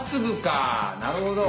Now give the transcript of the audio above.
なるほど。